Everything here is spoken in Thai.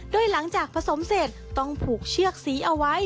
โดยหลังจากผสมเสร็จต้องผูกเชือกสีเอาไว้